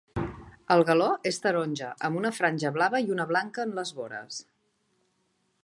El galó és taronja amb una franja blava i una blanca en les vores.